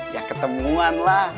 ya ketemuan lah